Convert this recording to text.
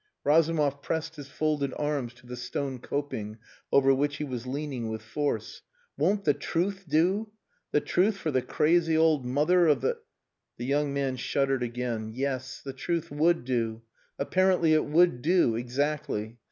Razumov pressed his folded arms to the stone coping over which he was leaning with force. "Won't the truth do? The truth for the crazy old mother of the " The young man shuddered again. Yes. The truth would do! Apparently it would do. Exactly.